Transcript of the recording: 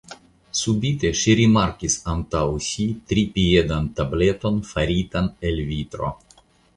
Subite ŝi rimarkis antaŭ si tripiedan tableton faritan el vitro.